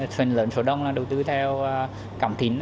phần lớn số đông là đầu tư theo cảm tính